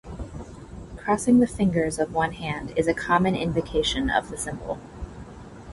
Crossing the fingers of one hand is a common invocation of the symbol.